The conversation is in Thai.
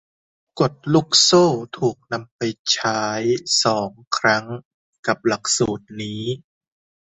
กฎลูกโซ่ถูกนำไปใช้สองครั้งกับสูตรนี้